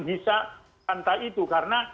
bisa santai itu karena